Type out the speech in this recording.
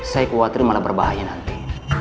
saya khawatir malah berbahaya nanti